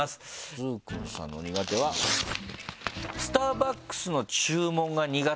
崇勲さんの苦手は「スターバックスの注文が苦手です」。